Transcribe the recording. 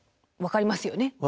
分かりますよね？